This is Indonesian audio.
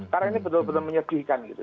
karena ini betul betul menyedihkan gitu